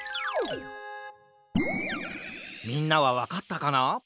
みんなはわかったかな？